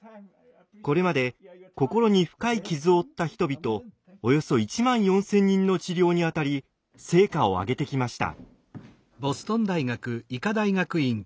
これまで心に深い傷を負った人々およそ１万４，０００人の治療にあたり成果を上げてきました。